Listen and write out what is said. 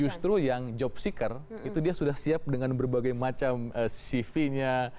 justru yang job seaker itu dia sudah siap dengan berbagai macam cv nya